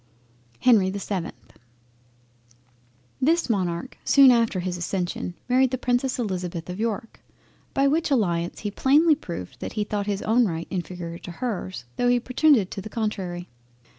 HENRY the 7th This Monarch soon after his accession married the Princess Elizabeth of York, by which alliance he plainly proved that he thought his own right inferior to hers, tho' he pretended to the contrary.